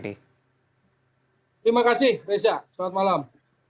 terima kasih reza selamat malam